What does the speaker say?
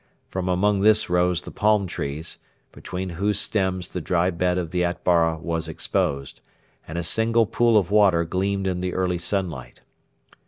From among this rose the palm trees, between whose stems the dry bed of the Atbara was exposed, and a single pool of water gleamed in the early sunlight.